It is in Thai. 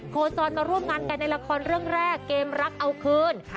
โคจรมาร่วมงานกันในละครเรื่องแรกเกมรักเอาคืน